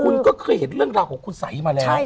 คุณก็เคยเห็นเรื่องราวของคุณสัยมาแล้ว